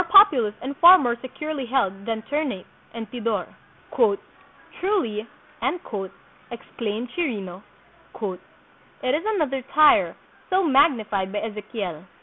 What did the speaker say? populous and far more securely held than Ternate and Tidor. "Truly," exclaimed Chirino, "it is another Tyre, so magnified by Ezekiel."